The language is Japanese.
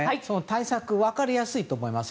対策、分かりやすいと思います。